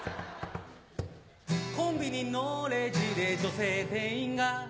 コンビニのレジで女性店員が